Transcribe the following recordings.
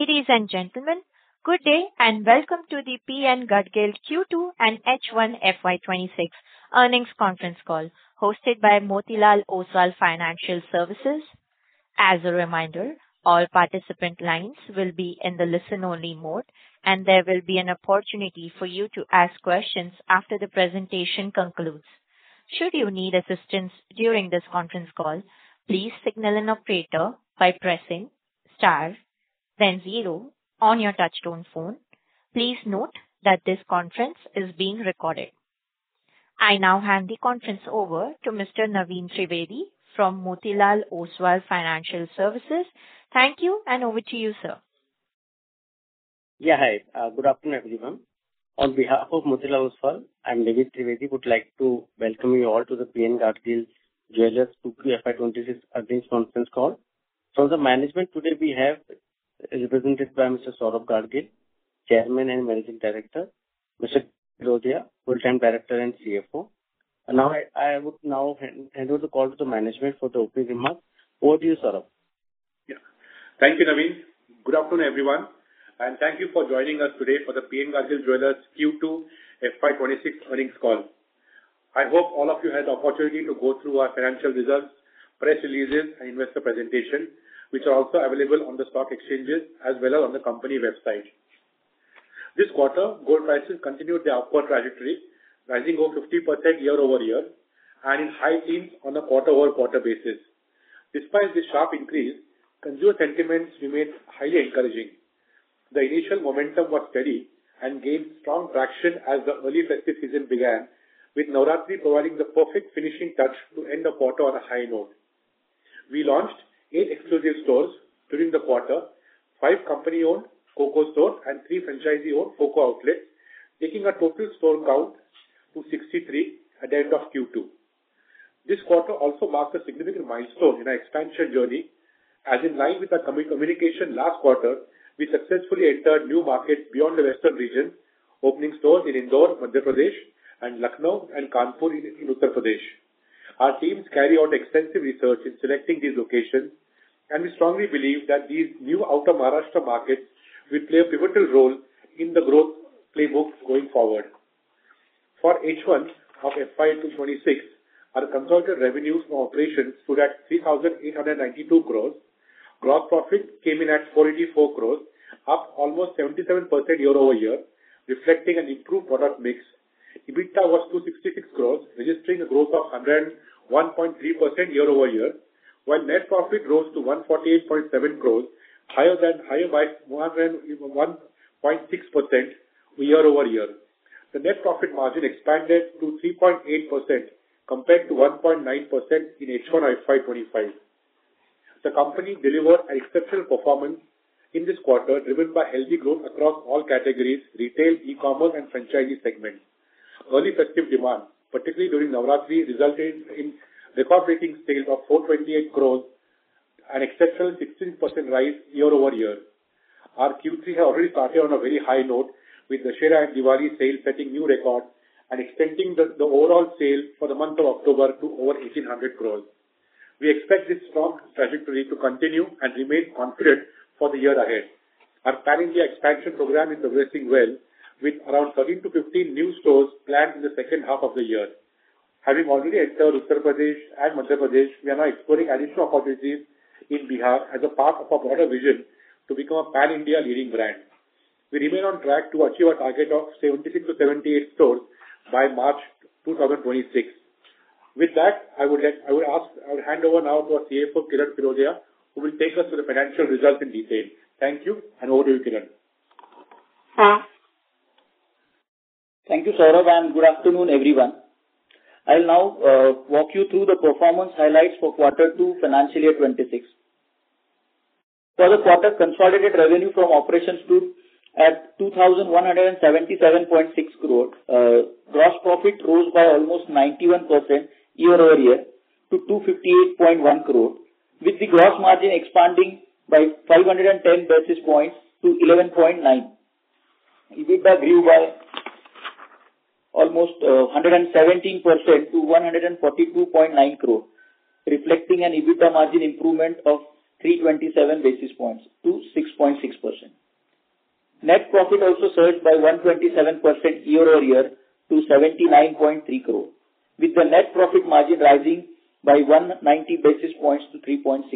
Ladies and gentlemen, good day and welcome to the P N Gadgil Jewellers Q2 and H1 FY 2026 earnings conference call hosted by Motilal Oswal Financial Services. As a reminder, all participant lines will be in the listen only mode, and there will be an opportunity for you to ask questions after the presentation concludes. Should you need assistance during this conference call, please signal an operator by pressing Star then Zero on your touchtone phone. Please note that this conference is being recorded. I now hand the conference over to Mr. Naveen Trivedi from Motilal Oswal Financial Services. Thank you, and over to you, sir. Yeah. Hi. Good afternoon, everyone. On behalf of Motilal Oswal, I'm Naveen Trivedi, would like to welcome you all to the P N Gadgil Jewellers Q2 FY 2026 earnings conference call. From the management today we have, represented by Mr. Saurabh Gadgil, Chairman and Managing Director, Mr. Firodia, Full-time Director and CFO. I would now hand over the call to management for the opening remarks. Over to you, Saurabh. Yeah. Thank you, Naveen. Good afternoon, everyone, and thank you for joining us today for the P N Gadgil Jewellers Q2 FY 2026 earnings call. I hope all of you had the opportunity to go through our financial results, press releases, and investor presentation, which are also available on the stock exchanges as well as on the company website. This quarter, gold prices continued their upward trajectory, rising over 50% year-over-year and in high teens on a quarter-over-quarter basis. Despite this sharp increase, consumer sentiments remain highly encouraging. The initial momentum was steady and gained strong traction as the early festive season began, with Navratri providing the perfect finishing touch to end the quarter on a high note. We launched eight exclusive stores during the quarter, five company-owned FOCO stores and three franchisee-owned FOCO outlets, taking our total store count to 63 at the end of Q2. This quarter also marks a significant milestone in our expansion journey, as in line with our communication last quarter, we successfully entered new markets beyond the Western region, opening stores in Indore, Madhya Pradesh, and Lucknow and Kanpur in Uttar Pradesh. Our teams carry out extensive research in selecting these locations, and we strongly believe that these new out-of-Maharashtra markets will play a pivotal role in the growth playbook going forward. For H1 of FY 2026, our consolidated revenues from operations stood at 3,892 crores. Gross profit came in at 484 crores, up almost 77% year-over-year, reflecting an improved product mix. EBITDA was 266 crore, registering a growth of 101.3% year-over-year, while net profit rose to INR 148.7 crore, higher by 101.6% year-over-year. The net profit margin expanded to 3.8% compared to 1.9% in H1 FY 2025. The company delivered exceptional performance in this quarter, driven by healthy growth across all categories, retail, e-commerce and franchisee segments. Early festive demand, particularly during Navratri, resulted in record-breaking sales of 428 crore, an exceptional 16% rise year-over-year. Our Q3 have already started on a very high note, with Dussehra and Diwali sales setting new records and extending the overall sale for the month of October to over 1,800 crore. We expect this strong trajectory to continue and remain confident for the year ahead. Our pan-India expansion program is progressing well, with around 13-15 new stores planned in the second half of the year. Having already entered Uttar Pradesh and Madhya Pradesh, we are now exploring additional opportunities in Bihar as a part of our broader vision to become a pan-India leading brand. We remain on track to achieve our target of 76-78 stores by March 2026. With that, I would hand over now to our CFO, Kiran Firodia, who will take us through the financial results in detail. Thank you, and over to you, Kiran. Thank you, Saurabh, and good afternoon, everyone. I'll now walk you through the performance highlights for Quarter 2 Financial Year 2026. For the quarter, consolidated revenue from operations stood at 2,177.6 crore. Gross profit rose by almost 91% year-over-year to 258.1 crore, with the gross margin expanding by 510 basis points to 11.9%. EBITDA grew by almost 117% to 142.9 crore, reflecting an EBITDA margin improvement of 327 basis points to 6.6%. Net profit also surged by 127% year-over-year to 79.3 crore, with the net profit margin rising by 190 basis points to 3.6%.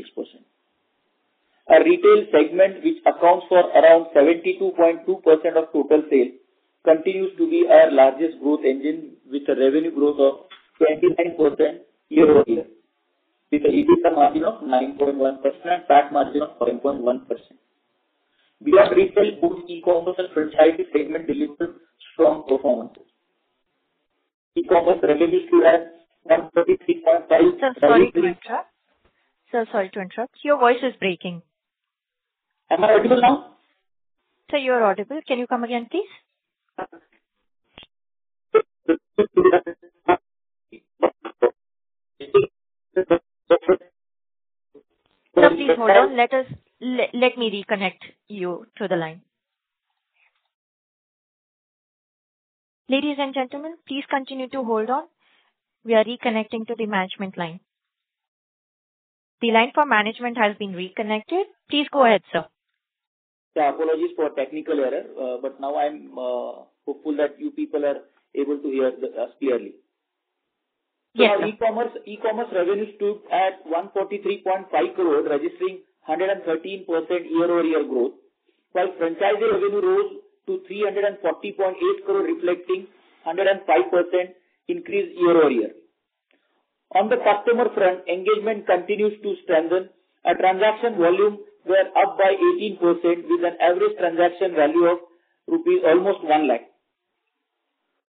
Our retail segment, which accounts for around 72.2% of total sales, continues to be our largest growth engine, with a revenue growth of 29% year-over-year, with an EBITDA margin of 9.1% and PAT margin of 4.1%. Beyond retail, both e-commerce and franchisee segment delivered strong performances. E-commerce revenue grew at 133.5- Sir, sorry to interrupt. Sir, sorry to interrupt. Your voice is breaking. Am I audible now? Sir, you are audible. Can you come again, please? Sir, please hold on. Let me reconnect you to the line. Ladies and gentlemen, please continue to hold on. We are reconnecting to the management line. The line for management has been reconnected. Please go ahead, sir. Apologies for technical error, now I'm hopeful that you people are able to hear us clearly. Yes, sir. Our e-commerce revenue stood at 143.5 crore, registering 113% year-over-year growth, while franchise revenue rose to 340.8 crore reflecting 105% increase year-over-year. On the customer front, engagement continues to strengthen. Our transaction volume were up by 18%, with an average transaction value of INR almost 1 lakh.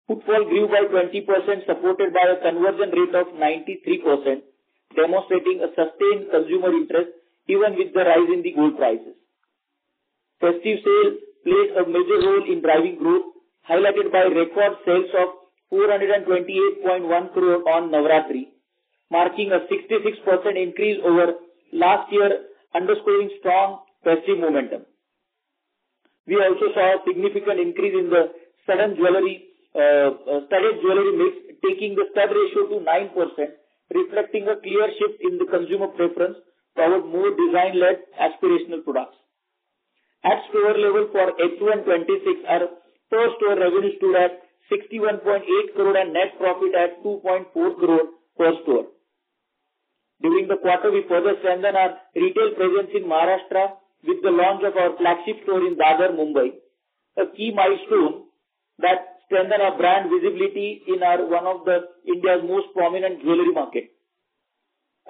Footfall grew by 20%, supported by a conversion rate of 93%, demonstrating a sustained consumer interest even with the rise in the gold prices. Festive sale played a major role in driving growth, highlighted by record sales of 428.1 crore on Navratri, marking a 66% increase over last year, underscoring strong festive momentum. We also saw a significant increase in the studded jewelry mix, taking the studded ratio to 9%, reflecting a clear shift in the consumer preference towards more design-led aspirational products. At store level for H1 2026, our per store revenue stood at 61.8 crore and net profit at 2.4 crore per store. During the quarter, we further strengthened our retail presence in Maharashtra with the launch of our flagship store in Dadar, Mumbai, a key milestone that strengthen our brand visibility in one of India's most prominent jewelry market.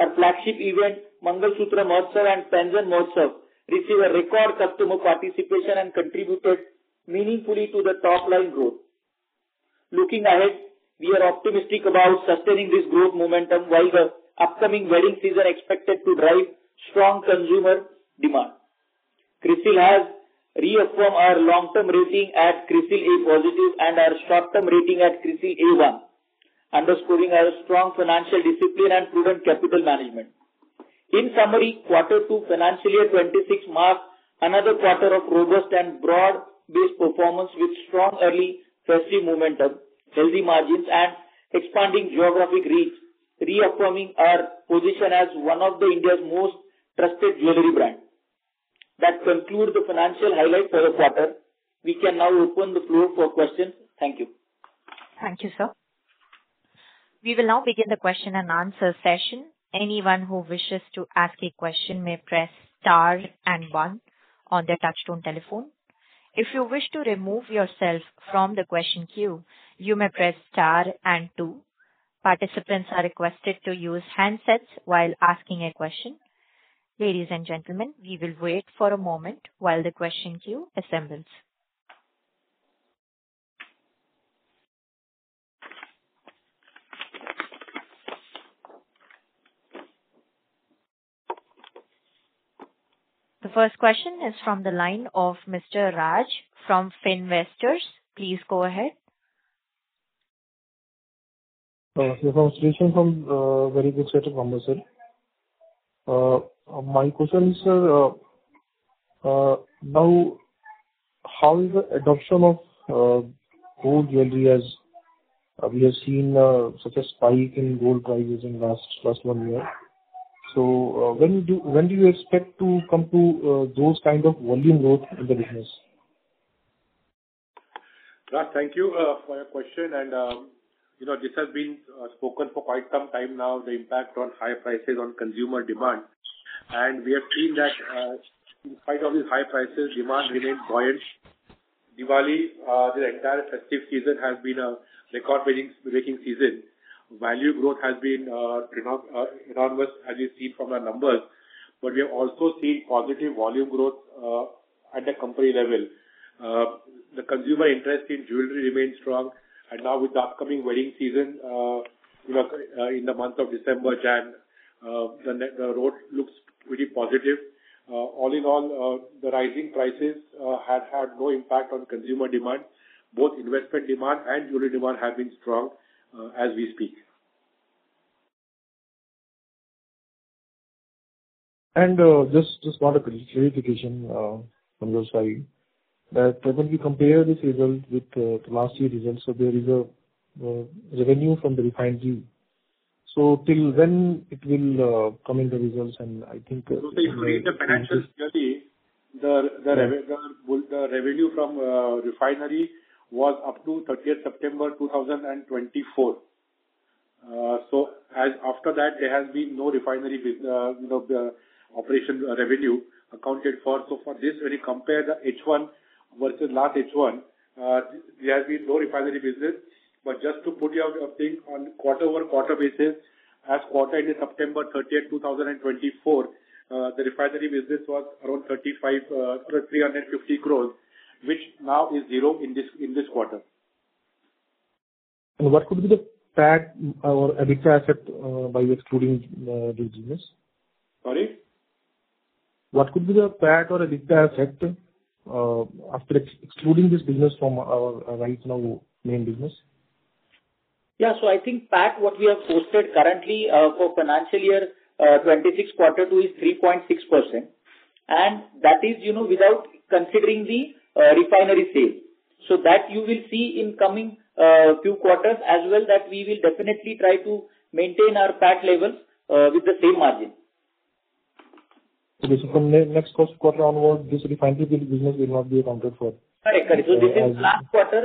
Our flagship event, Mangalsutra Mahotsav and Painjan Mahotsav, received a record customer participation and contributed meaningfully to the top-line growth. Looking ahead, we are optimistic about sustaining this growth momentum while the upcoming wedding season expected to drive strong consumer demand. CRISIL has reaffirmed our long-term rating at CRISIL A+ and our short-term rating at CRISIL A1, underscoring our strong financial discipline and prudent capital management. In summary, quarter two financial year 2026 marks another quarter of robust and broad-based performance with strong early festive momentum, healthy margins, and expanding geographic reach, reaffirming our position as one of India's most trusted jewelry brand. That concludes the financial highlights for the quarter. We can now open the floor for questions. Thank you. Thank you, sir. We will now begin the question and answer session. Anyone who wishes to ask a question may press star and one on their touch-tone telephone. If you wish to remove yourself from the question queue, you may press star and two. Participants are requested to use handsets while asking a question. Ladies and gentlemen, we will wait for a moment while the question queue assembles. The first question is from the line of Mr. Raj from Finsight. Please go ahead. Yes. Congratulations on very good set of numbers, sir. My question is, sir, how is the adoption of gold jewellery as we have seen such a spike in gold prices in last one year? When do you expect to come to those kind of volume growth in the business? Raj, thank you for your question. This has been spoken for quite some time now, the impact on high prices on consumer demand. We have seen that in spite of these high prices, demand remains buoyant. Diwali, the entire festive season has been a record-breaking season. Value growth has been enormous as you see from our numbers, but we have also seen positive volume growth at the company level. The consumer interest in jewellery remains strong, and now with the upcoming wedding season in the month of December, January, the road looks pretty positive. All in all, the rising prices has had no impact on consumer demand. Both investment demand and jewellery demand have been strong as we speak. Just one clarification from your side, that when we compare this result with last year's results, there is a revenue from the refinery. Till when it will come in the results? If you see the financial security, the revenue from refinery was up to 30th September 2024. After that, there has been no refinery operation revenue accounted for. For this, when you compare the H1 versus last H1, there has been no refinery business. Just to put your thing on quarter-over-quarter basis, as quarter ended September 30th, 2024, the refinery business was around 350 crore, which now is zero in this quarter. What could be the PAT or EBITDA effect by excluding this business? Sorry? What could be the PAT or EBITDA effect after excluding this business from our right now main business? I think PAT, what we have posted currently for FY 2026 Q2 is 3.6%. That is without considering the refinery sale. That you will see in coming few quarters as well, that we will definitely try to maintain our PAT levels with the same margin. From next first quarter onward, this refinery business will not be accounted for. Correct.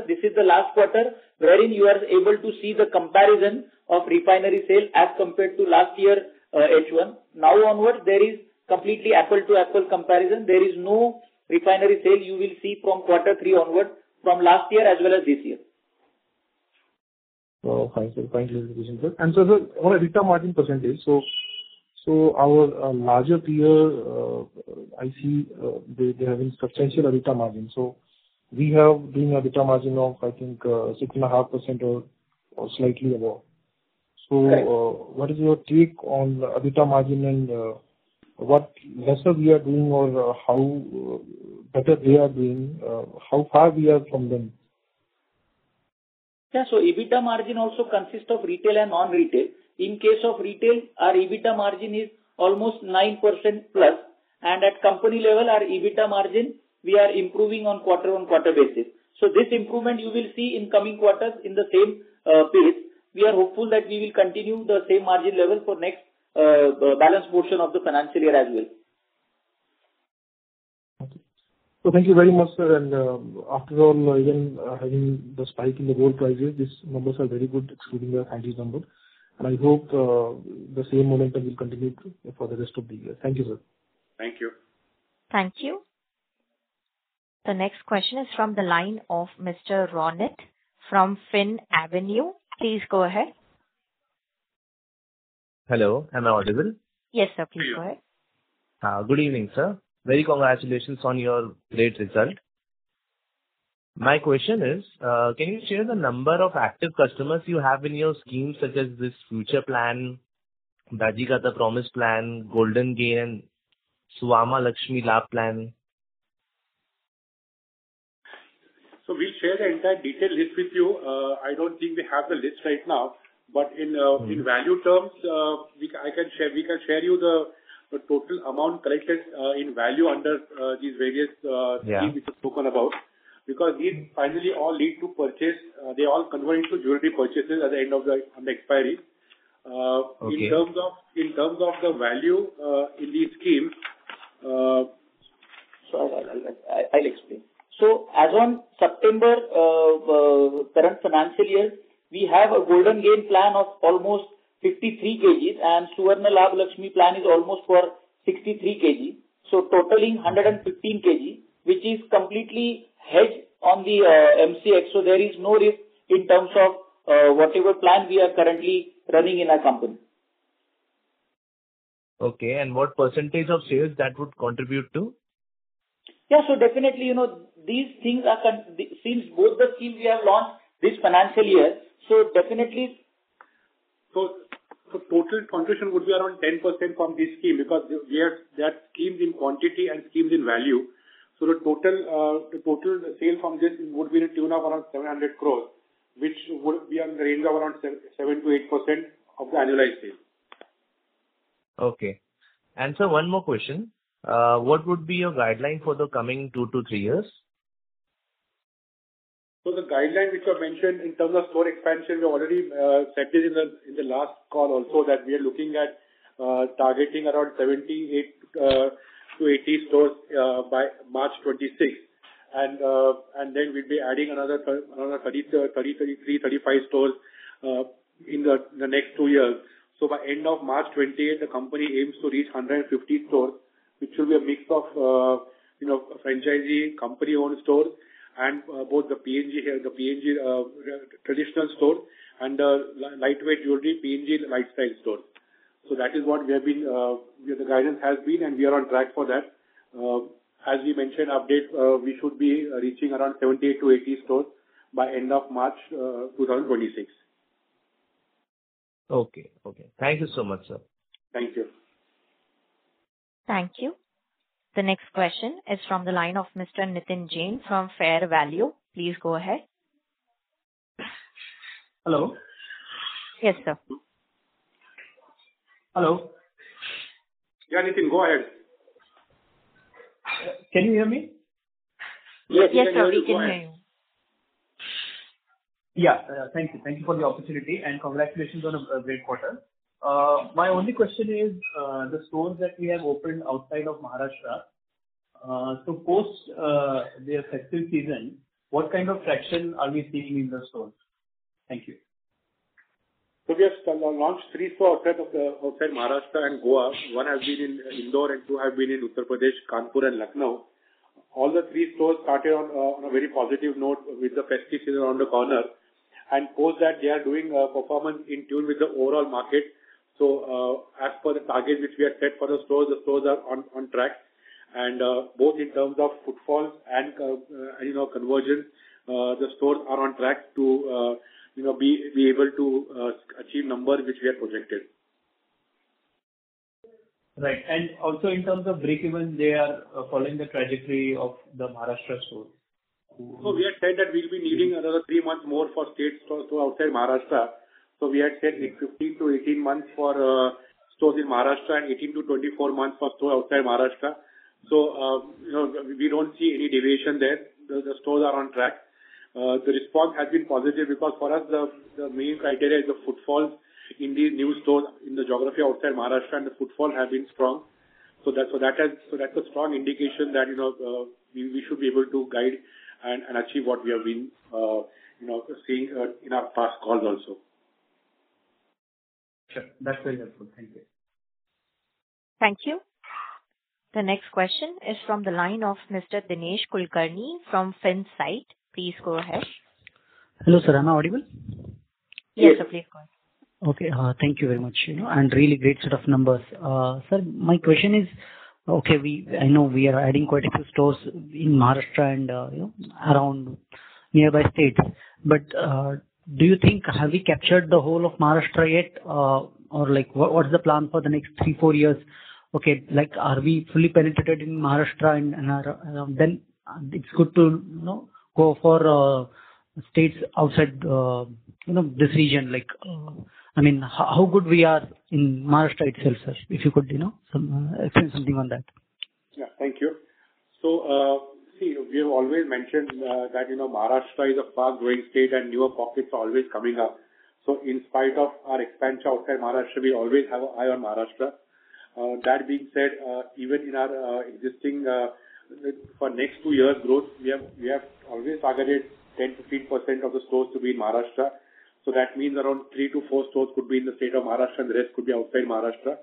This is last quarter, wherein you are able to see the comparison of refinery sales as compared to last year H1. Now onwards, there is completely apple-to-apple comparison. There is no refinery sale you will see from quarter three onwards, from last year as well as this year. Oh, fine. Finally sir, on EBITDA margin percentage, our larger peer, I see they are having substantial EBITDA margin. We have been EBITDA margin of, I think, 6.5% or slightly above. Correct. What is your take on the EBITDA margin and what lesser we are doing or how better they are doing? How far we are from them? Yeah. EBITDA margin also consists of retail and non-retail. In case of retail, our EBITDA margin is almost 9%+, and at company level, our EBITDA margin, we are improving on quarter-over-quarter basis. This improvement you will see in coming quarters in the same pace. We are hopeful that we will continue the same margin level for next balanced portion of the financial year as well. Okay. Thank you very much, sir. After all, even having the spike in the gold prices, these numbers are very good excluding the refinery number. I hope the same momentum will continue for the rest of the year. Thank you, sir. Thank you. Thank you. The next question is from the line of Mr. Ronit from Finavenue. Please go ahead. Hello, am I audible? Yes, sir. Please go ahead. Good evening, sir. Many congratulations on your great result. My question is, can you share the number of active customers you have in your scheme, such as this Future Plan, Dajikaka Promise Plan, Golden Gain, Suvarna Lakshmi Labh Plan? We'll share the entire detailed list with you. I don't think we have the list right now, in value terms, we can share you the total amount collected in value under these various schemes which are spoken about. These finally all lead to purchase. They all convert into jewelry purchases at the end of the expiry. Okay. In terms of the value in these schemes I'll explain. As on September of current financial year, we have a Golden Gain Plan of almost 53 kg and Suvarna Lakshmi Plan is almost for 63 kg, totaling 115 kg, which is completely hedged on the MCX. There is no risk in terms of whatever plan we are currently running in our company. Okay, what percentage of sales that would contribute to? Yeah, definitely, since both the schemes we have launched this financial year, definitely- Total contribution would be around 10% from this scheme because there are schemes in quantity and schemes in value. The total sale from this would be in tune of around 700 crores, which would be in the range of around 7%-8% of the annualized sales. Okay. Sir, one more question. What would be your guideline for the coming two to three years? The guideline which was mentioned in terms of store expansion, we already said this in the last call also that we are looking at targeting around 78-80 stores by March 2026. Then we'll be adding another 30-35 stores in the next two years. By end of March 2028, the company aims to reach 150 stores, which will be a mix of franchisee, company-owned stores, and both the PNG traditional store and the lightweight jewelry, PNG Litestyle store. That is what the guidance has been, and we are on track for that. As we mentioned update, we should be reaching around 70-80 stores by end of March 2026. Okay. Thank you so much, sir. Thank you. Thank you. The next question is from the line of Mr. Nitin Jain from Fair Value. Please go ahead. Hello. Yes, sir. Hello. Yeah, Nitin, go ahead. Can you hear me? Yes. Yes, sir. We can hear you. Thank you for the opportunity, congratulations on a great quarter. My only question is, the stores that we have opened outside of Maharashtra, post their festive season, what kind of traction are we seeing in the stores? Thank you. We have launched three stores outside Maharashtra in Goa. One has been in Indore and two have been in Uttar Pradesh, Kanpur and Lucknow. All the three stores started on a very positive note with the festive season around the corner, post that they are doing a performance in tune with the overall market. As per the target which we had set for the stores, the stores are on track. Both in terms of footfalls and conversion, the stores are on track to be able to achieve numbers which we had projected. Right. In terms of breakeven, they are following the trajectory of the Maharashtra store. We had said that we'll be needing another three months more for states stores outside Maharashtra. We had said 15-18 months for stores in Maharashtra and 18-24 months for stores outside Maharashtra. We don't see any deviation there. The stores are on track. The response has been positive because for us, the main criteria is the footfall in these new stores in the geography outside Maharashtra, the footfall has been strong. That's a strong indication that we should be able to guide and achieve what we have been seeing in our past calls also. Sure. That's very helpful. Thank you. Thank you. The next question is from the line of Mr. Dinesh Kulkarni from Finsight. Please go ahead. Hello, sir. Am I audible? Yes, sir. Please go ahead. Okay. Thank you very much. Really great set of numbers. Sir, my question is, I know we are adding quite a few stores in Maharashtra and around nearby states, but do you think, have we captured the whole of Maharashtra yet? What is the plan for the next three, four years? Are we fully penetrated in Maharashtra and around Delhi? It's good to go for states outside this region. How good we are in Maharashtra itself, sir, if you could explain something on that. Yeah. Thank you. See, we have always mentioned that Maharashtra is a fast-growing state and newer pockets are always coming up. In spite of our expansion outside Maharashtra, we always have our eye on Maharashtra. That being said, even in our existing, for next two years growth, we have always targeted 10%-15% of the stores to be in Maharashtra. That means around three to four stores could be in the state of Maharashtra and the rest could be outside Maharashtra.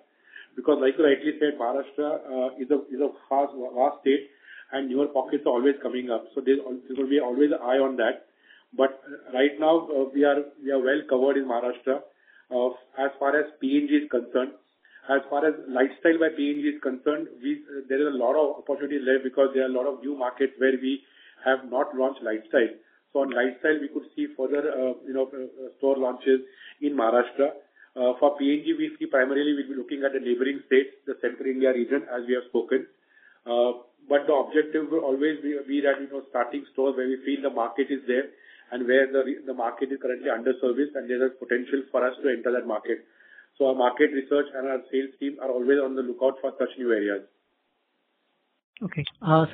Like you rightly said, Maharashtra is a vast state and newer pockets are always coming up. There will be always an eye on that. Right now we are well covered in Maharashtra as far as PNG is concerned. As far as Litestyle by PNG is concerned, there is a lot of opportunities there because there are a lot of new markets where we have not launched Litestyle. On Litestyle, we could see further store launches in Maharashtra. For PNG, we see primarily we will be looking at the neighboring states, the central India region, as we have spoken. The objective will always be that starting stores where we feel the market is there and where the market is currently under service and there is potential for us to enter that market. Our market research and our sales team are always on the lookout for such new areas. Okay. Sir,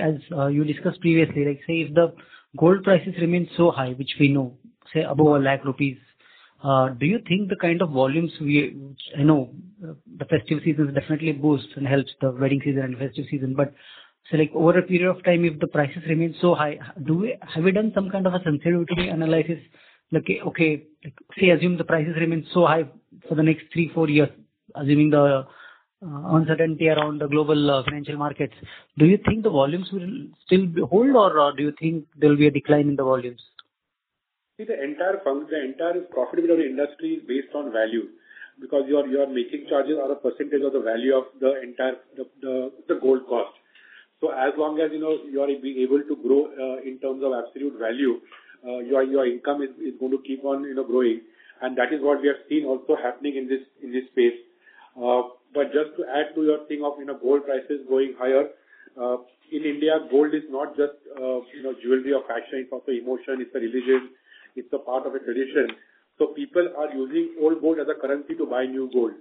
as you discussed previously, say if the gold prices remain so high, which we know, say above 100,000 rupees, do you think the kind of volumes we know the festive season definitely boosts and helps the wedding season and festive season, sir, over a period of time, if the prices remain so high, have we done some kind of a sensitivity analysis? Assume the prices remain so high for the next three, four years, assuming the uncertainty around the global financial markets, do you think the volumes will still hold, or do you think there will be a decline in the volumes? The entire profitability of the industry is based on value. Your making charges are a percentage of the value of the entire gold cost. As long as you are being able to grow in terms of absolute value, your income is going to keep on growing. That is what we have seen also happening in this space. Just to add to your thing of gold prices going higher, in India, gold is not just jewelry or fashion, it's also emotion, it's a religion. It's a part of a tradition. People are using old gold as a currency to buy new gold.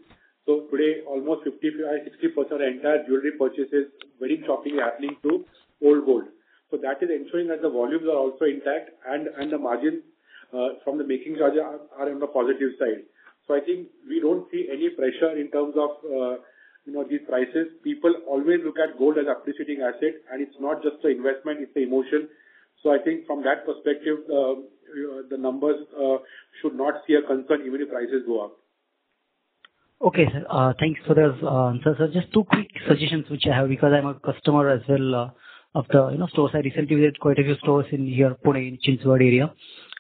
Today, almost 55%-60% of entire jewelry purchase is very sharply happening to old gold. That is ensuring that the volumes are also intact and the margin from the making charges are on the positive side. I think we don't see any pressure in terms of these prices. People always look at gold as appreciating asset, it's not just an investment, it's an emotion. I think from that perspective, the numbers should not see a concern even if prices go up. Okay, sir. Thanks for the answer. Sir, just two quick suggestions which I have because I'm a customer as well of the stores. I recently visited quite a few stores in here, Pune, in Chinchwad area.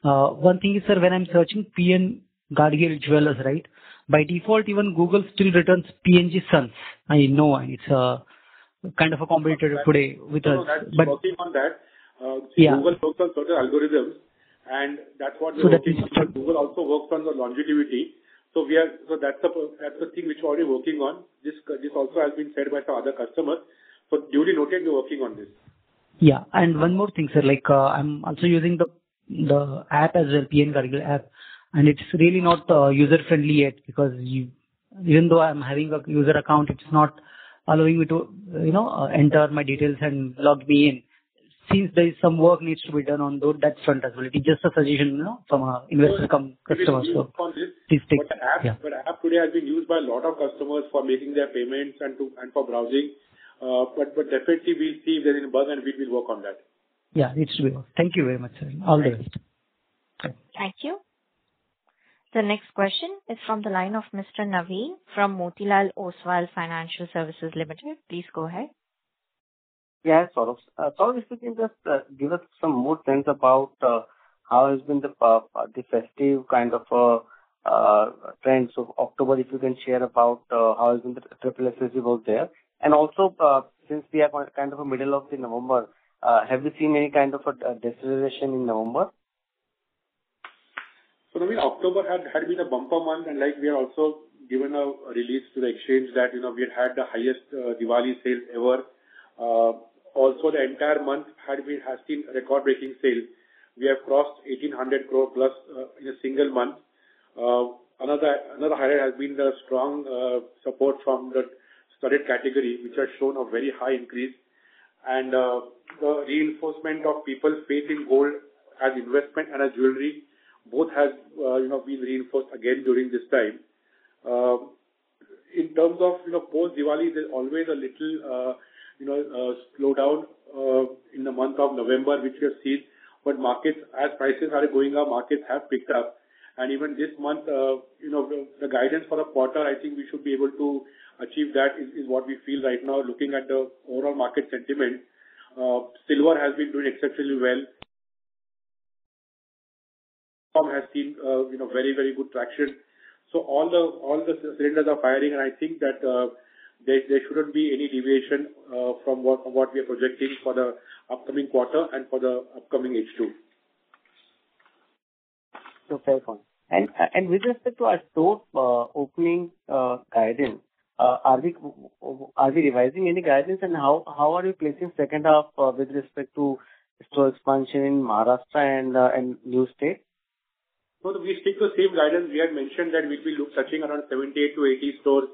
One thing is, sir, when I'm searching P N Gadgil Jewellers, right? By default, even Google still returns PNG Sons. I know it's kind of a competitor today with us. No, that's working on that. Yeah. See, Google works on certain algorithms. That's. That's the thing which we're already working on. This also has been said by some other customers. Duly noted, we're working on this. Yeah. One more thing, sir. I'm also using the app as well, P N Gadgil app, and it's really not user-friendly yet because even though I'm having a user account, it's not allowing me to enter my details and log me in. Since there is some work needs to be done on those, that front as well. It is just a suggestion from an investor cum customer. We will work on this Please take. Yeah. App today has been used by a lot of customers for making their payments and for browsing. Definitely we'll see if there is a bug and we will work on that. Yeah, it's real. Thank you very much, sir. All the best. Thank you. The next question is from the line of Mr. Naveen from Motilal Oswal Financial Services Limited. Please go ahead. Yeah, Saurabh. Saurabh, if you can just give us some more trends about how has been the festive kind of trends of October, if you can share about how has been the festival season out there. Since we are kind of in the middle of November, have you seen any kind of a deceleration in November? October had been a bumper month. We have also given a release to the exchange that we had the highest Diwali sales ever. The entire month has been record-breaking sales. We have crossed 1,800 crore plus in a single month. Another highlight has been the strong support from the studded category, which has shown a very high increase. The reinforcement of people's faith in gold as investment and as jewelry, both has been reinforced again during this time. In terms of post-Diwali, there is always a little slowdown in the month of November, which we have seen. As prices are going up, markets have picked up. Even this month, the guidance for the quarter, I think we should be able to achieve that, is what we feel right now looking at the overall market sentiment. Silver has been doing exceptionally well. Has seen very good traction. All the cylinders are firing. I think that there should not be any deviation from what we are projecting for the upcoming quarter and for the upcoming H2. Fair point. With respect to our store opening guidance, are we revising any guidance and how are you placing second half with respect to store expansion in Maharashtra and new states? No, we stick to the same guidance. We had mentioned that we will be touching around 78-80 stores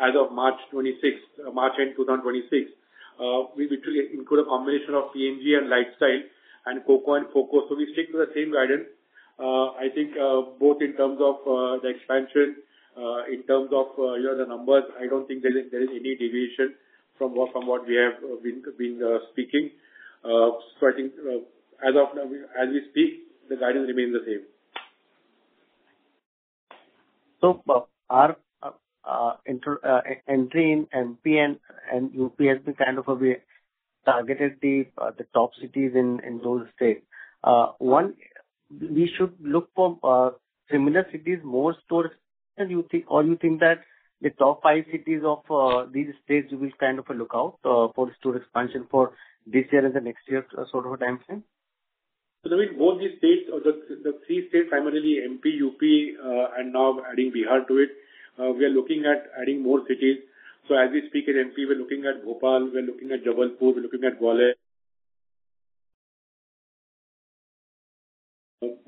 as of March end 2026. We include a combination of PNG and Litestyle and COCO and FOCO. We stick to the same guidance. I think, both in terms of the expansion, in terms of the numbers, I do not think there is any deviation from what we have been speaking. I think as we speak, the guidance remains the same. Our entry in MP and UP has been kind of we targeted the top cities in those states. One, we should look for similar cities, more stores, or you think that the top five cities of these states will be kind of a lookout for store expansion for this year and the next year sort of a time frame? Naveen, both these states or the three states, primarily MP, UP and now adding Bihar to it, we are looking at adding more cities. As we speak in MP, we're looking at Bhopal, we're looking at Jabalpur, we're looking at Gwalior.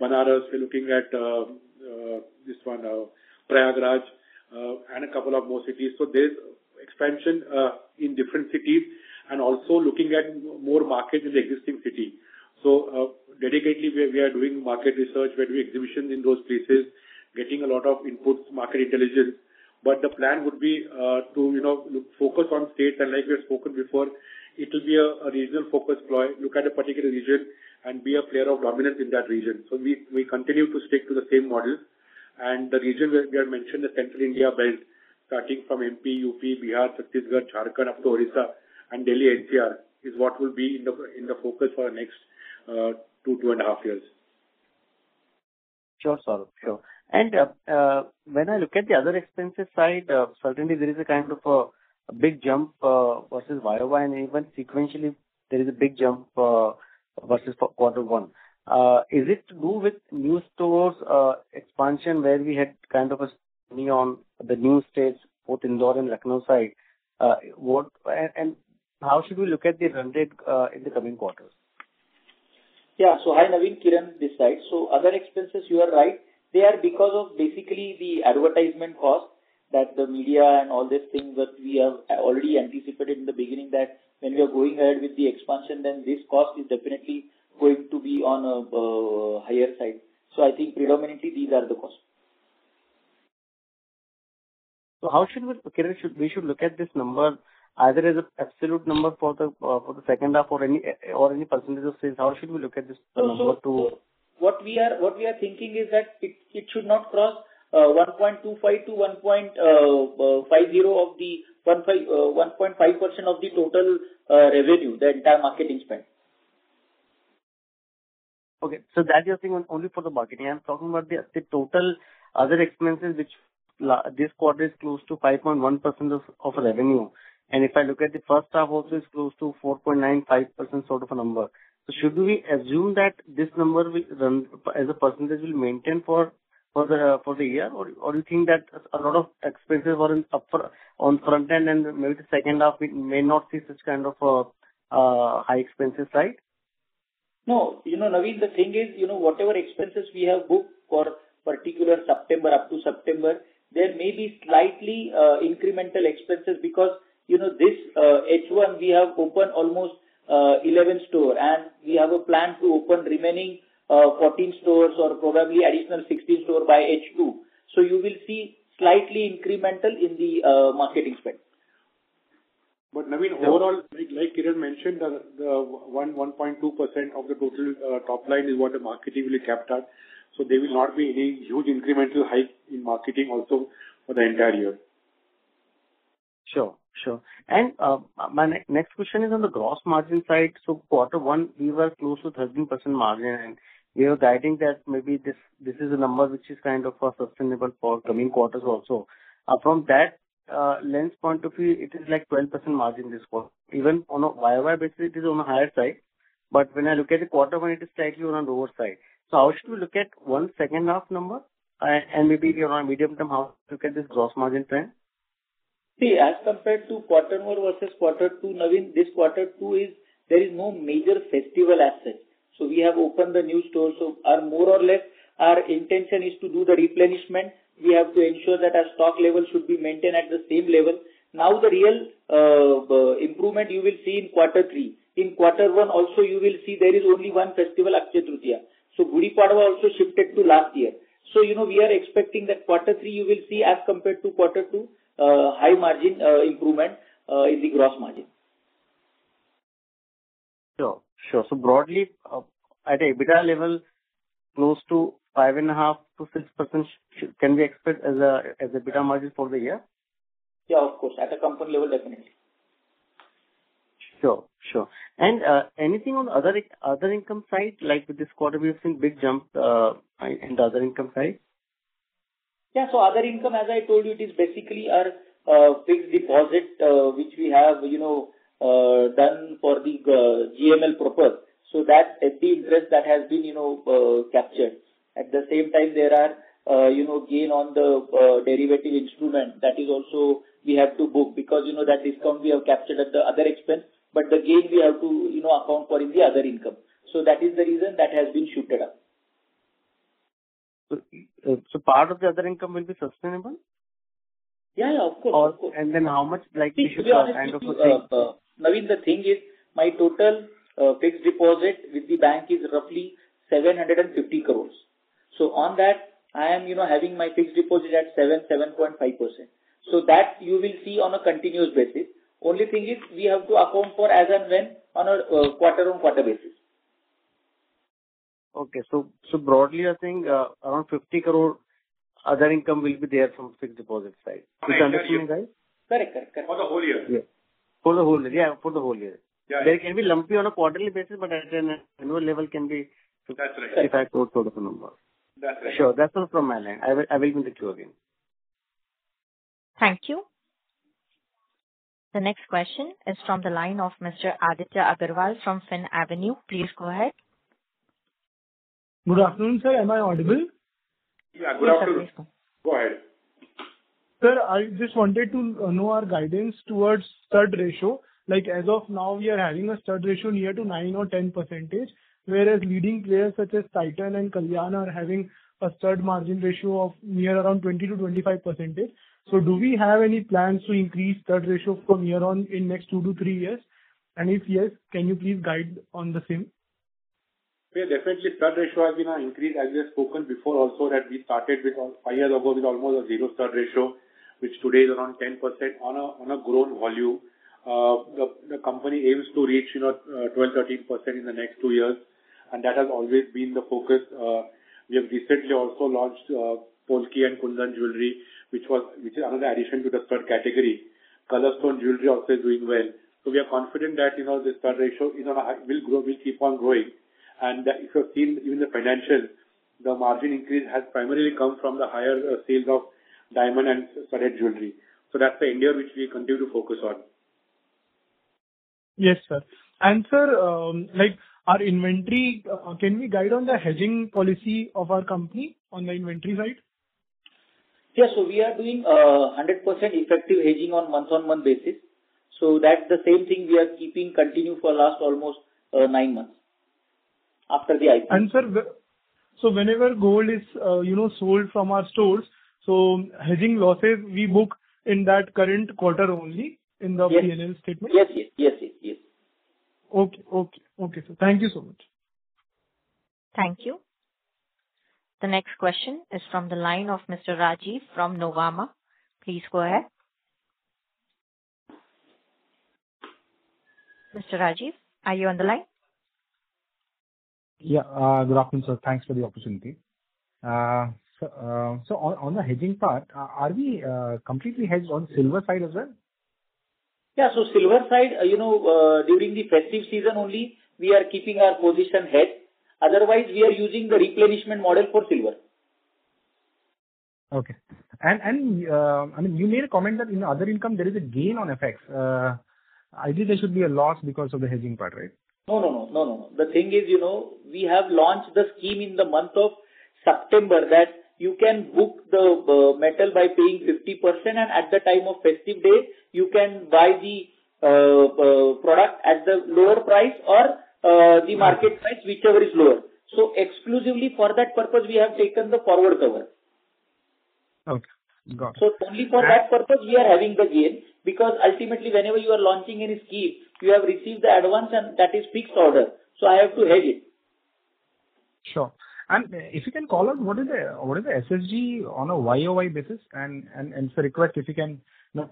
Banaras, we're looking at this one, Prayagraj, and a couple of more cities. There's expansion in different cities and also looking at more markets in the existing city. Dedicatedly, we are doing market research, where we exhibition in those places, getting a lot of inputs, market intelligence. The plan would be to focus on states and like we had spoken before, it will be a regional focused play. Look at a particular region and be a player of dominance in that region. We continue to stick to the same model. The region where we have mentioned the central India belt, starting from MP, UP, Bihar, Chhattisgarh, Jharkhand up to Odisha and Delhi NCR is what will be in the focus for the next two and a half years. Sure, Saurabh. When I look at the other expenses side, certainly there is a kind of a big jump versus year-over-year and even sequentially there is a big jump versus quarter one. Is it to do with new stores expansion, where we had kind of a scrutiny on the new states, both Indore and Lucknow side? How should we look at the run rate in the coming quarters? Yeah. Hi, Naveen, Kiran this side. Other expenses, you are right. They are because of basically the advertisement cost that the media and all these things that we have already anticipated in the beginning that when we are going ahead with the expansion, then this cost is definitely going to be on a higher side. I think predominantly these are the costs. How should we look at this number either as an absolute number for the second half or any percentage of sales. How should we look at this number? What we are thinking is that it should not cross 1.25%-1.5% of the total revenue, the entire marketing spend. Okay. That you're saying only for the marketing. I'm talking about the total other expenses, which this quarter is close to 5.1% of revenue. If I look at the first half, also it's close to 4.95% sort of a number. Should we assume that this number as a percentage will maintain for the year or you think that a lot of expenses were on front end and maybe the second half we may not see such kind of high expenses side? No, Naveen, the thing is, whatever expenses we have booked for particular September up to September, there may be slightly incremental expenses because this H1 we have opened almost 11 store and we have a plan to open remaining 14 stores or probably additional 16 store by H2. You will see slightly incremental in the marketing spend. Naveen, overall, like Kiran mentioned, the 1.2% of the total top line is what the marketing will be capped at. There will not be any huge incremental hike in marketing also for the entire year. Sure. My next question is on the gross margin side. quarter one, we were close to 13% margin, we are guiding that maybe this is a number which is kind of sustainable for coming quarters also. From that lens point of view, it is like 12% margin this quarter. Even on a year-over-year basis, it is on a higher side. When I look at the quarter one is slightly on lower side. How should we look at one second half number and maybe on a medium-term, how to look at this gross margin trend? As compared to quarter one versus quarter two, Naveen, this quarter two, there is no major festival as such. We have opened the new store. More or less, our intention is to do the replenishment. We have to ensure that our stock level should be maintained at the same level. The real improvement you will see in quarter three. In quarter one also, you will see there is only one festival, Akshaya Tritiya. Gudi Padwa also shifted to last year. We are expecting that quarter three, you will see, as compared to quarter two, high margin improvement in the gross margin. Sure. Broadly, at a EBITDA level, close to 5.5%-6% can be expected as EBITDA margin for the year? Yeah, of course. At a company level, definitely. Sure. Anything on other income side, like with this quarter we have seen big jump in the other income side? Yeah. Other income, as I told you, it is basically our fixed deposit, which we have done for the GML purpose. That is the interest that has been captured. At the same time, there are gain on the derivative instrument. That is also we have to book, because that discount we have captured at the other expense, but the gain we have to account for in the other income. That is the reason that has been shifted up. part of the other income will be sustainable? Yeah, of course. how much likely Naveen, the thing is, my total fixed deposit with the bank is roughly 750 crore. On that, I am having my fixed deposit at 7.5%. That you will see on a continuous basis. Only thing is, we have to account for as and when on a quarter-on-quarter basis. Okay. Broadly, I think around 50 crore other income will be there from fixed deposit side. Is my understanding right? Correct. For the whole year. Yeah. For the whole year. Yeah. There can be lumpy on a quarterly basis, at an annual level can be- That's right. INR 55 crore sort of a number. That's right. Sure. That's all from my end. I will give it to you again. Thank you. The next question is from the line of Mr. Aditya Agarwal from Finn Avenue. Please go ahead. Good afternoon, sir. Am I audible? Yeah. Good afternoon. Yes, sir. Go ahead. Sir, I just wanted to know our guidance towards studded ratio. Like as of now, we are having a studded ratio near to nine or 10%, whereas leading players such as Titan and Kalyan are having a studded ratio of near around 20%-25%. Do we have any plans to increase studded ratio from here on in next two to three years? If yes, can you please guide on the same? Definitely, studded ratio has been increased. As we have spoken before also that we started five years ago with almost a zero studded ratio, which today is around 10% on a growth volume. The company aims to reach 12%, 13% in the next two years, that has always been the focus. We have recently also launched Polki and Kundan jewelry, which is another addition to the studded category. Colorstone jewelry also is doing well. We are confident that the studded ratio will keep on growing. If you have seen in the financials, the margin increase has primarily come from the higher sales of diamond and solid jewelry. That's the area which we continue to focus on. Yes, sir. Sir, like our inventory, can we guide on the hedging policy of our company on the inventory side? Yeah. We are doing 100% effective hedging on month-on-month basis. That's the same thing we are keeping continue for last almost nine months after the IPO. And sir, whenever gold is sold from our stores, hedging losses we book in that current quarter only. Yes In the PNL statement? Yes. Okay. Sir, thank you so much. Thank you. The next question is from the line of Mr. Rajiv from Nuvama. Please go ahead. Mr. Rajiv, are you on the line? Yeah. Good afternoon, sir. Thanks for the opportunity. On the hedging part, are we completely hedged on silver side as well? Yeah. Silver side, during the festive season only, we are keeping our position hedged. Otherwise, we are using the replenishment model for silver. Okay. You made a comment that in other income, there is a gain on FX. I think there should be a loss because of the hedging part, right? No. The thing is, we have launched the scheme in the month of September that you can book the metal by paying 50%, and at the time of festive day, you can buy the product at the lower price or the market price, whichever is lower. Exclusively for that purpose, we have taken the forward cover. Okay. Got it. Only for that purpose we are having the gain, because ultimately, whenever you are launching any scheme, you have received the advance and that is fixed order, so I have to hedge it. Sure. If you can call out, what is the SSSG on a year-over-year basis? Sir request, if you can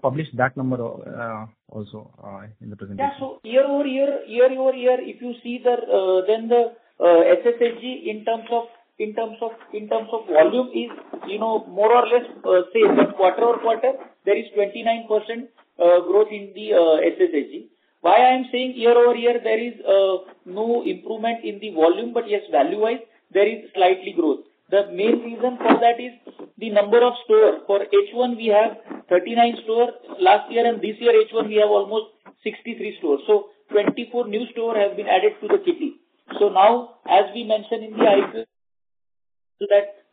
publish that number also in the presentation. Yeah. Year-over-year, if you see the SSSG in terms of volume is more or less same. Quarter-over-quarter, there is 29% growth in the SSSG. Why I am saying year-over-year, there is no improvement in the volume, but yes, value-wise, there is slightly growth. The main reason for that is the number of stores. For H1, we have 39 stores last year, and this year H1, we have almost 63 stores. 24 new stores have been added to the kitty. Now, as we mentioned in the IPO,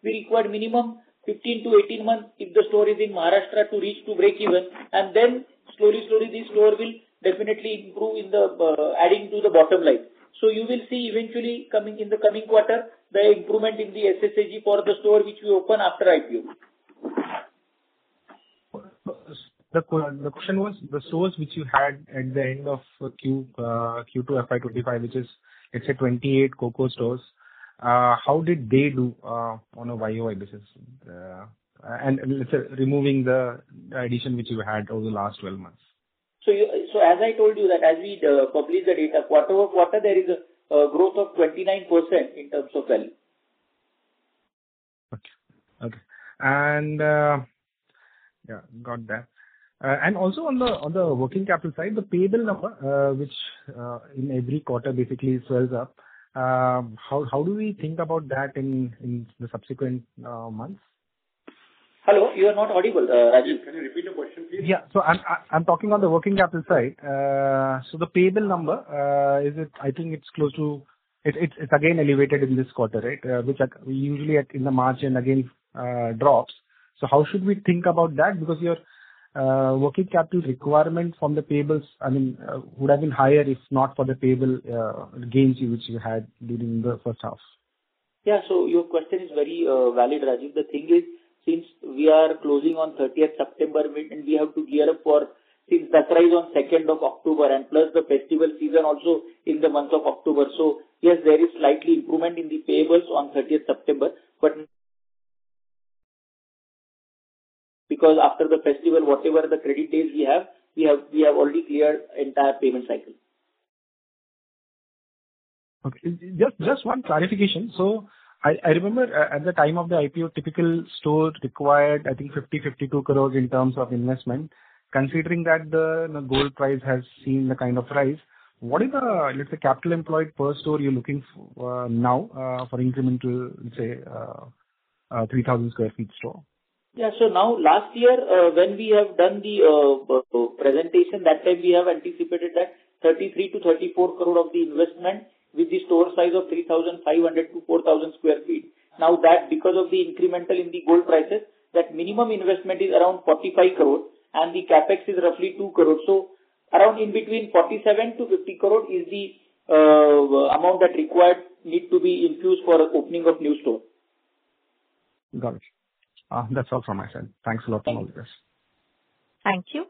we require minimum 15-18 months if the store is in Maharashtra to reach to break-even. Then slowly this store will definitely improve in adding to the bottom line. You will see eventually in the coming quarter, the improvement in the SSSG for the store which we open after IPO. The question was, the stores which you had at the end of Q2 FY 2025, which is let's say 28 COCO stores, how did they do on a YOY basis? Let's say, removing the addition which you had over the last 12 months. As I told you that as we publish the data quarter-over-quarter, there is a growth of 29% in terms of value. Okay. Yeah, got that. Also on the working capital side, the payable number, which in every quarter basically swells up, how do we think about that in the subsequent months? Hello, you are not audible, Rajiv. Can you repeat the question, please? Yeah. I'm talking on the working capital side. The payable number, I think it's again elevated in this quarter, which usually in the March end again drops. How should we think about that? Because your working capital requirement from the payables would have been higher if not for the payable gains which you had during the first half. Your question is very valid, Rajiv. Since we are closing on 30th September and we have to gear up for, since that rise on 2nd of October and plus the festival season also in the month of October. Yes, there is slight improvement in the payables on 30th September. Because after the festival, whatever the credit days we have, we have already cleared entire payment cycle. Just one clarification. I remember at the time of the IPO, typical stores required, I think 50, 52 crores in terms of investment. Considering that the gold price has seen the kind of rise, what is the, let's say, capital employed per store you're looking now for incremental, say, 3,000 sq ft store? Now last year, when we have done the presentation, that time we have anticipated that 33-34 crore of the investment with the store size of 3,500-4,000 sq ft. That because of the incremental in the gold prices, that minimum investment is around 45 crores and the CapEx is roughly 2 crores. Around in between 47-50 crores is the amount that required need to be infused for opening of new store. Got it. That's all from my side. Thanks a lot for all this. Thank you.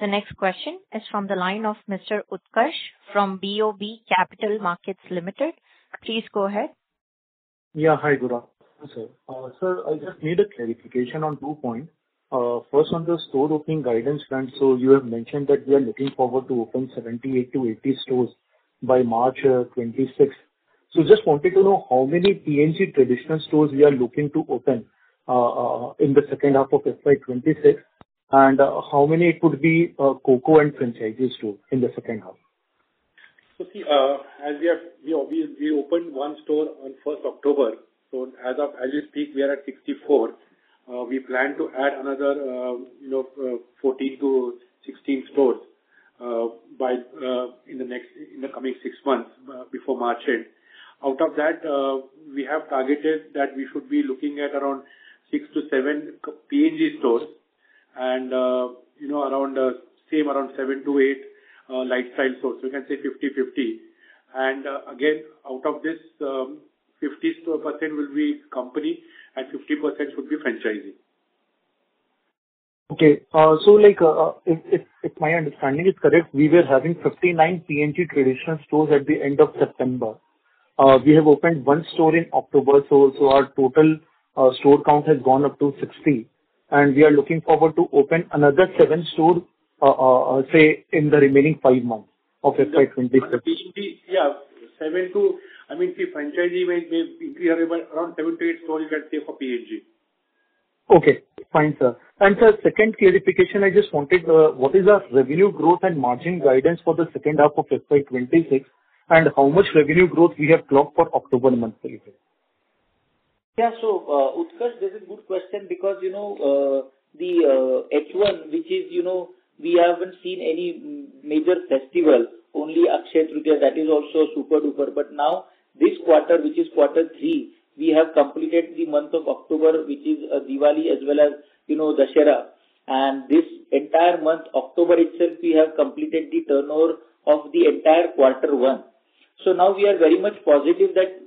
The next question is from the line of Utkarsh from BoB Capital Markets Limited. Please go ahead. Yeah. Hi, good afternoon, sir. Sir, I just need a clarification on two points. First, on the store opening guidance front. You have mentioned that you are looking forward to open 78 to 80 stores by March 2026. Just wanted to know how many PNG traditional stores you are looking to open in the second half of FY 2026, and how many it could be COCO and franchisee store in the second half. See, we opened one store on 1st October. As of we speak, we are at 64. We plan to add another 14 to 16 stores in the coming six months before March end. Out of that, we have targeted that we should be looking at around six to seven PNG stores and same around seven to eight Litestyle stores. We can say 50-50. Again, out of this, 50% will be company and 50% should be franchising. Okay. If my understanding is correct, we were having 59 PNG traditional stores at the end of September. We have opened one store in October, so our total store count has gone up to 60. We are looking forward to open another seven stores, say, in the remaining five months of FY 2026. Yeah. I mean, franchisee may be around seven to eight stores you can say for PNG. Okay, fine sir. Sir, second clarification I just wanted, what is our revenue growth and margin guidance for the second half of FY 2026 and how much revenue growth we have clocked for October month till date? Yeah. Utkarsh, this is good question because the H1, which is we haven't seen any major festival, only Akshaya Tritiya, that is also super duper. Now this quarter, which is quarter three, we have completed the month of October, which is Diwali as well as Dussehra. This entire month, October itself, we have completed the turnover of the entire quarter one. Now we are very much positive that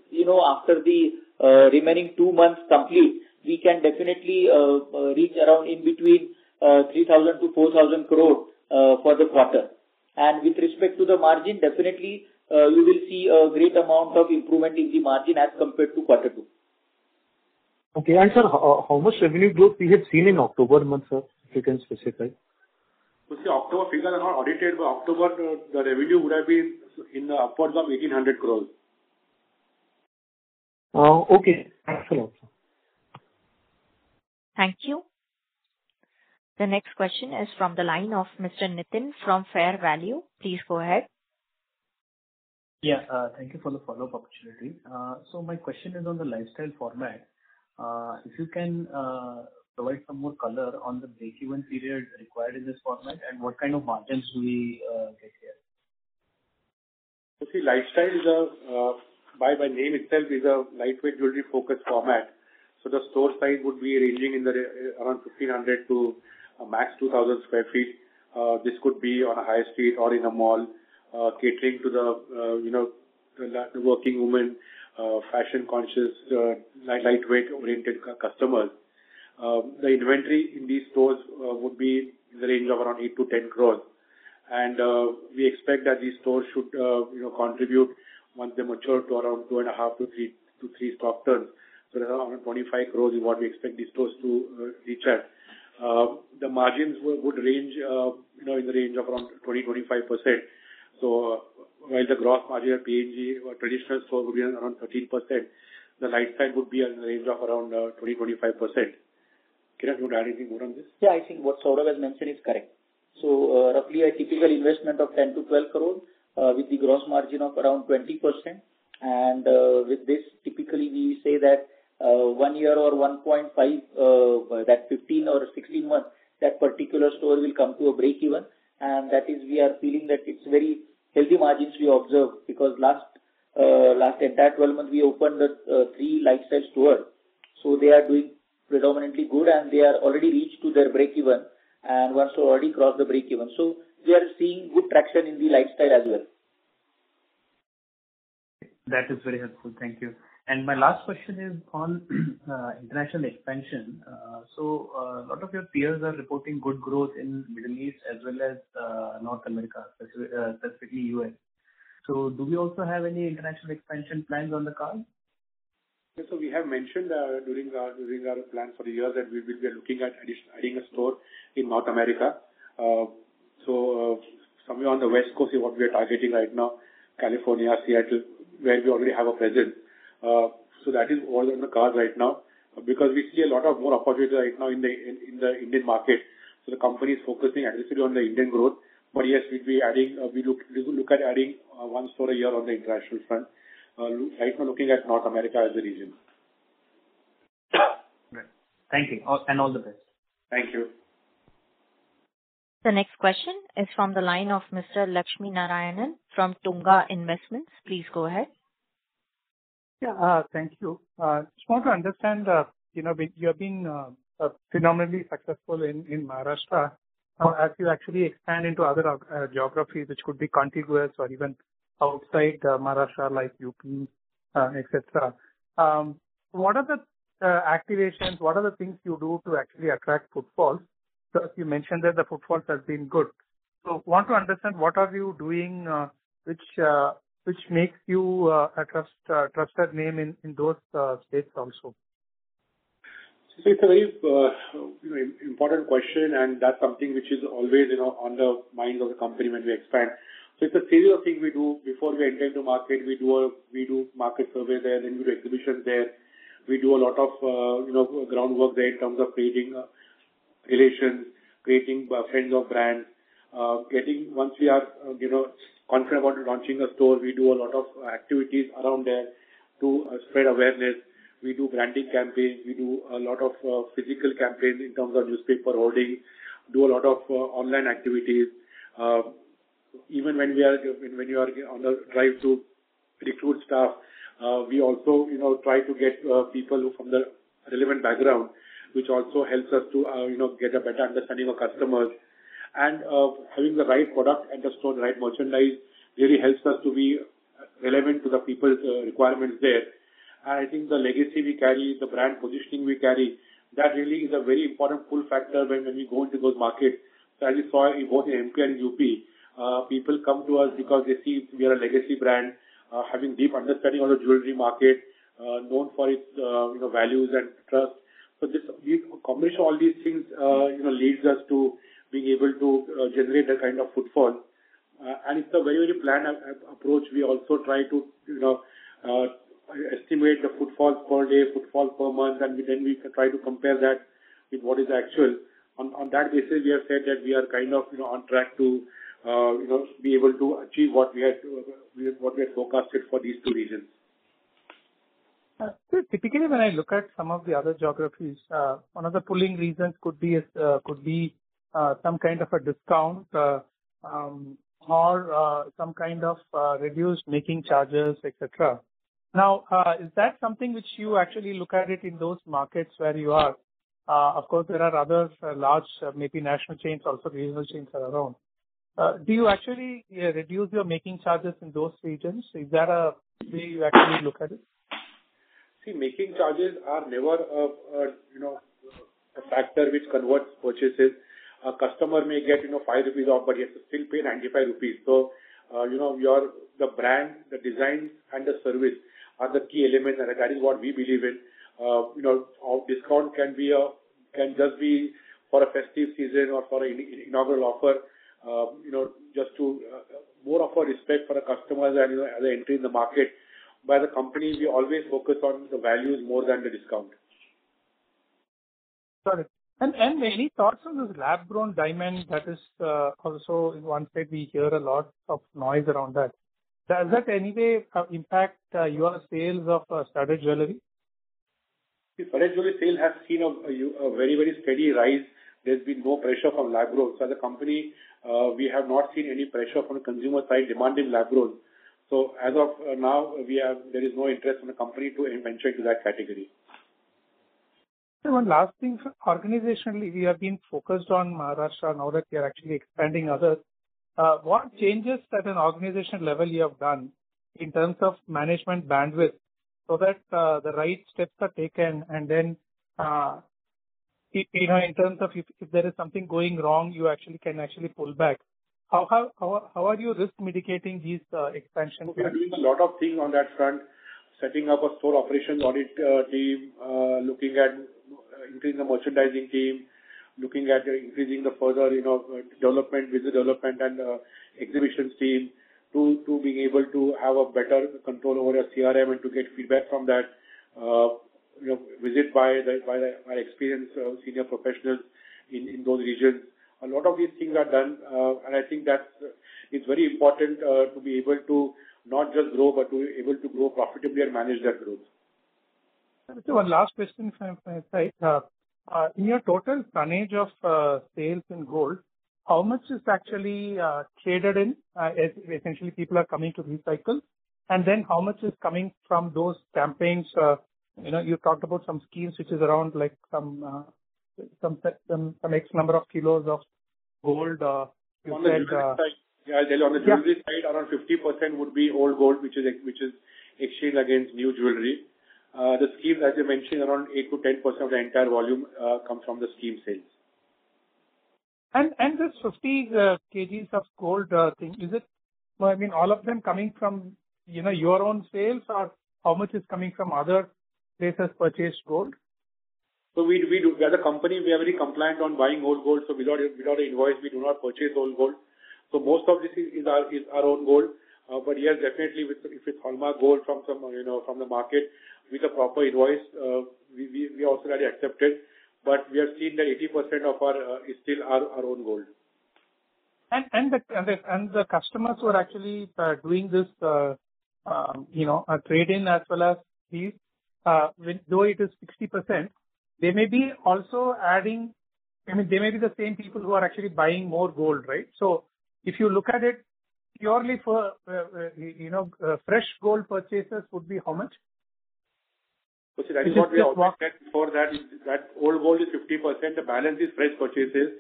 after the remaining two months complete, we can definitely reach around in between 3,000-4,000 crore for the quarter. With respect to the margin, definitely, you will see a great amount of improvement in the margin as compared to quarter two. Okay. Sir, how much revenue growth we have seen in October month, sir, if you can specify? You see, October figures are not audited, but October the revenue would have been in upwards of 1,800 crores. Okay. Thanks a lot, sir. Thank you. The next question is from the line of Mr. Nitin from Fair Value. Please go ahead. Yeah. Thank you for the follow-up opportunity. My question is on the Litestyle format. If you can provide some more color on the breakeven period required in this format and what kind of margins we get here. Litestyle by name itself is a lightweight jewelry-focused format. The store size would be ranging around 1,500 to a max 2,000 sq ft. This could be on a high street or in a mall, catering to the working woman, fashion-conscious, lightweight-oriented customers. The inventory in these stores would be in the range of around 8 crore-10 crore. We expect that these stores should contribute, once they mature, to around 2.5 to 3 stock turns. Around 25 crore is what we expect these stores to reach at. The margins would range around 20%-25%. While the gross margin at PNG or traditional store would be around 13%, the Litestyle would be in the range of around 20%-25%. Kiran, would you add anything more on this? I think what Saurabh has mentioned is correct. Roughly a typical investment of 10 crore-12 crore, with the gross margin of around 20%. With this, typically, we say that one year or 1.5, that 15 or 16 months, that particular store will come to a breakeven, that is we are feeling that it's very healthy margins we observe, because last entire 12 months we opened three Litestyle stores. They are doing predominantly good and they are already reached to their breakeven and one store already crossed the breakeven. We are seeing good traction in the Litestyle as well. That is very helpful. Thank you. My last question is on international expansion. A lot of your peers are reporting good growth in Middle East as well as North America, specifically U.S. Do we also have any international expansion plans on the card? We have mentioned during our plan for the year that we are looking at adding a store in North America. Somewhere on the West Coast is what we are targeting right now, California, Seattle, where we already have a presence. That is all on the card right now, because we see a lot of more opportunities right now in the Indian market. The company is focusing aggressively on the Indian growth. Yes, we will look at adding one store a year on the international front. Right now looking at North America as a region. Great. Thank you. All the best. Thank you. The next question is from the line of Mr. Lakshmi Narayanan from Tunga Investments. Please go ahead. Yeah. Thank you. Just want to understand, you have been phenomenally successful in Maharashtra. Now as you actually expand into other geographies, which could be contiguous or even outside Maharashtra, like U.P., et cetera, what are the activations? What are the things you do to actually attract footfalls? You mentioned that the footfalls has been good. Want to understand what are you doing which makes you a trusted name in those states also? It's a very important question, that's something which is always on the mind of the company when we expand. It's a series of things we do before we enter into market. We do a market survey there, we do exhibition there. We do a lot of groundwork there in terms of creating relations, creating friends of brand. Once we are confident about launching a store, we do a lot of activities around there to spread awareness. We do branding campaigns. We do a lot of physical campaigns in terms of newspaper hoardings, do a lot of online activities. Even when you are on the drive to recruit staff, we also try to get people from the relevant background, which also helps us to get a better understanding of customers. Having the right product at the store, the right merchandise really helps us to be relevant to the people's requirements there. I think the legacy we carry, the brand positioning we carry, that really is a very important pull factor when we go into those markets. As you saw both in MP and UP, people come to us because they see we are a legacy brand, having deep understanding of the jewelry market, known for its values and trust. Combination of all these things leads us to being able to generate that kind of footfall. It's a very planned approach. We also try to estimate the footfalls per day, footfall per month, then we try to compare that with what is actual. On that basis, we have said that we are on track to be able to achieve what we had forecasted for these two regions. Sir, typically, when I look at some of the other geographies, one of the pulling reasons could be some kind of a discount or some kind of reduced making charges, et cetera. Is that something which you actually look at it in those markets where you are? Of course, there are other large, maybe national chains also, regional chains that are around. Do you actually reduce your making charges in those regions? Is that a way you actually look at it? Making charges are never a factor which converts purchases. A customer may get 5 rupees off, but he has to still pay 95 rupees. The brand, the design, and the service are the key elements, and that is what we believe in. Our discount can just be for a festive season or for an inaugural offer, just more of a respect for the customers as they enter in the market. The company, we always focus on the values more than the discount. Got it. Any thoughts on this lab-grown diamond that is also, in one side we hear a lot of noise around that. Does that any way impact your sales of studded jewelry? The fresh jewelry sale has seen a very steady rise. There has been no pressure from lab growth as a company. We have not seen any pressure from consumer side demand in lab growth. As of now, there is no interest in the company to even venture into that category. Sir, one last thing. Organizationally, we have been focused on Maharashtra. Now that we are actually expanding other, what changes at an organization level you have done in terms of management bandwidth so that the right steps are taken, and then in terms of if there is something going wrong, you actually can pull back. How are you risk mitigating this expansion plan? We're doing a lot of things on that front, setting up a store operation audit team, looking at increasing the merchandising team, looking at increasing the further development, visit development and exhibitions team to be able to have a better control over our CRM and to get feedback from that visit by experienced senior professionals in those regions. A lot of these things are done. I think that it's very important to be able to not just grow, but to be able to grow profitably and manage that growth. Sir, one last question if I may. In your total tonnage of sales in gold, how much is actually traded in, essentially people are coming to recycle, and then how much is coming from those campaigns? You talked about some schemes, which is around some X number of kilos of gold you said- On the jewelry side- Yeah On the jewelry side, around 50% would be old gold, which is exchanged against new jewelry. The schemes, as you mentioned, around 8%-10% of the entire volume comes from the scheme sales. this 50 kg of gold thing, is it all of them coming from your own sales, or how much is coming from other places purchased gold? we as a company, we are very compliant on buying old gold, without an invoice, we do not purchase old gold. most of this is our own gold. yes, definitely if it's hallmarked gold from the market with a proper invoice, we also readily accept it. we are seeing that 80% is still our own gold. the customers who are actually doing this trade-in as well as these, though it is 60%, they may be the same people who are actually buying more gold, right? if you look at it purely for fresh gold purchases would be how much? That's what we have talked at before, that old gold is 50%. The balance is fresh purchases.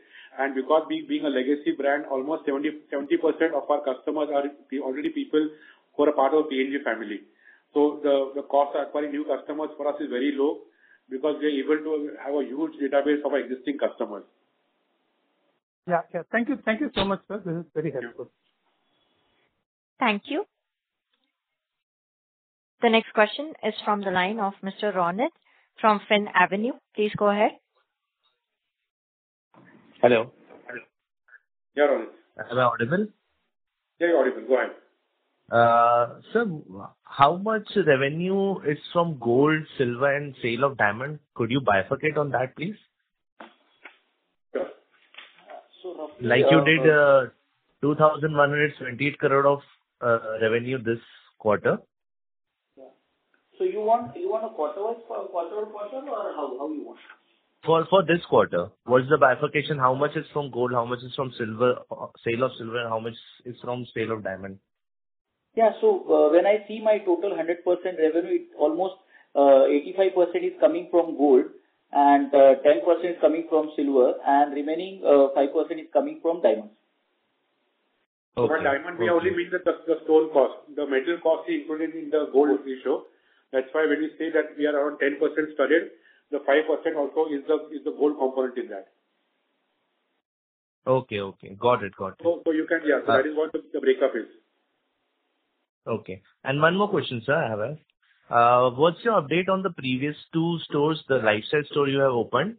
because being a legacy brand, almost 70% of our customers are already people who are a part of the PNG family. the cost of acquiring new customers for us is very low because we're able to have a huge database of our existing customers. Yeah. Thank you so much, sir. This is very helpful. Thank you. The next question is from the line of Mr. Ronit from Finavenue. Please go ahead. Hello. Hello. Am I audible? You're audible. Go ahead. Sir, how much revenue is from gold, silver, and sale of diamond? Could you bifurcate on that, please? So- You did 2,178 crore of revenue this quarter. You want a quarter-on-quarter or how you want? For this quarter, what is the bifurcation? How much is from gold, how much is from sale of silver, and how much is from sale of diamond? Yeah. When I see my total 100% revenue, almost 85% is coming from gold and 10% is coming from silver, and the remaining 5% is coming from diamonds. Okay. For diamond, we only mean the stone cost. The metal cost is included in the gold we show. That's why when we say that we are around 10% spread, the 5% also is the gold component in that. Okay. Got it. Yeah. That is what the breakup is. Okay. One more question, sir, I have. What's your update on the previous two stores, the Litestyle store you have opened?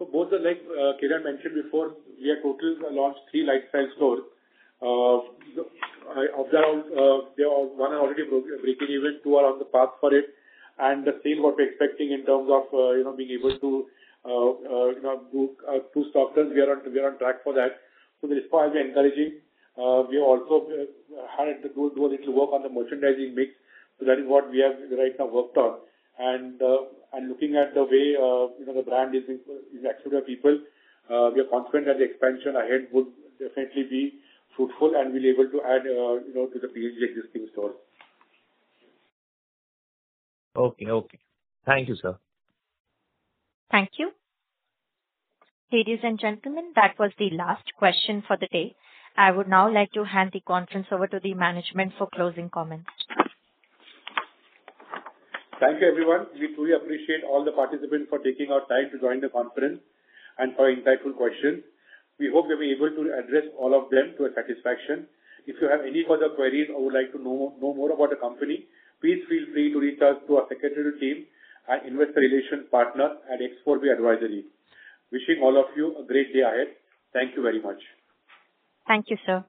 Both are like Kiran mentioned before, we have total launched three Litestyle stores. Of that, one have already broken even, two are on the path for it. The sales what we're expecting in terms of being able to do two store runs, we are on track for that. This part is encouraging. We have also hired to do a little work on the merchandising mix. That is what we have right now worked on. Looking at the way the brand is accepted by people, we are confident that the expansion ahead would definitely be fruitful and we'll be able to add to the PNG existing store. Okay. Thank you, sir. Thank you. Ladies and gentlemen, that was the last question for the day. I would now like to hand the conference over to the management for closing comments. Thank you, everyone. We truly appreciate all the participants for taking out time to join the conference and for your insightful questions. We hope we were able to address all of them to your satisfaction. If you have any further queries or would like to know more about the company, please feel free to reach out to our secretary team, our investor relations partner at Explore advisory. Wishing all of you a great day ahead. Thank you very much. Thank you, sir.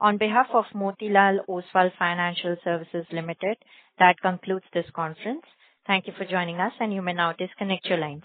On behalf of Motilal Oswal Financial Services Limited, that concludes this conference. Thank you for joining us. You may now disconnect your lines.